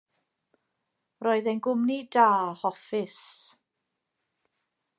Roedd e'n gwmni da, hoffus.